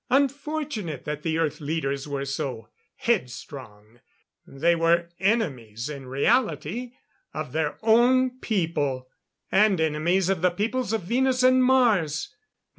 Unfortunate that the Earth leaders were so headstrong. They were enemies, in reality, of their own people and enemies of the peoples of Venus and Mars.